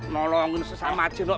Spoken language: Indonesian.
tolongin sesama jin pak